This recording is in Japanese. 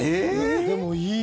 でも、いい。